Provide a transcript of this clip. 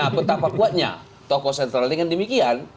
nah betapa kuatnya tokoh sentral dengan demikian